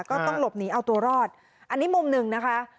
ก็ต้องหลบหนีเอาตัวรอดอันนี้มุมหนึ่งนะคะ